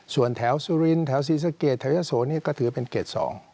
ส่วนแถวสุรินทร์แถวซีเซอร์เกรดแถวเยาะโสนก็ถือเป็นเกรด๒